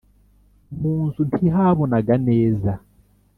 mu nzu ntihabonaga neza.